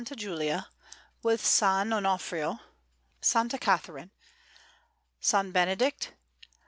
Julia, with S. Onofrio, S. Catharine, S. Benedict, S.